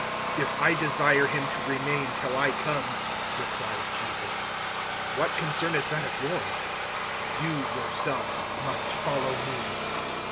021:022 "If I desire him to remain till I come," replied Jesus, "what concern is that of yours? You, yourself, must follow me."